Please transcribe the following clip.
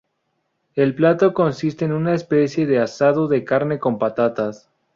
El plato consiste en una especie de asado de carne con patatas.